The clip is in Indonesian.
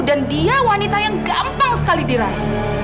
dan dia wanita yang gampang sekali diraih